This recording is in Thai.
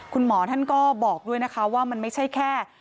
คุณหมอท่านก็บอกด้วยนะคะว่ามันไม่ใช่แค่